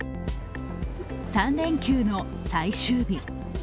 ３連休の最終日。